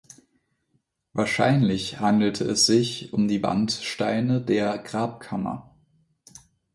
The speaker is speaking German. Wahrscheinlich handelte es sich um die Wandsteine der Grabkammer.